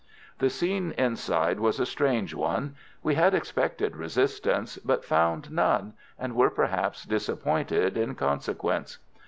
The scene inside was a strange one. We had expected resistance, but found none, and were perhaps disappointed in consequence.